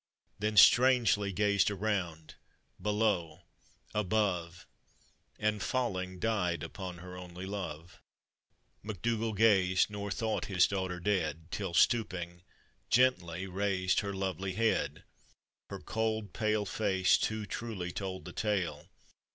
Then strangely gazed around, below, above! And falling, died upon her only love. MacDougall gazed, nor thought his daughter dead; Till stooping, gently raised her lovely head : Her cold, pale face, too truly told the tale.